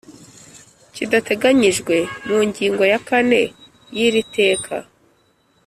Kidateganyijwe mu ngingo ya kane y’iri teka